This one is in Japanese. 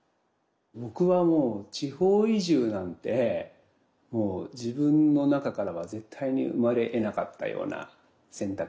僕はもう地方移住なんてもう自分の中からは絶対に生まれえなかったような選択。